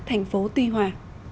thành phố tuy hòa